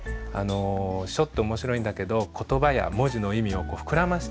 書って面白いんだけど言葉や文字の意味を膨らましてくれるっていうね